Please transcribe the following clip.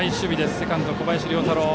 セカンド、小林遼太郎。